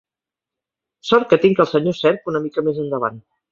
Sort que tinc el senyor Cerc una mica més endavant.